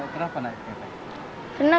kenapa naik ke perahu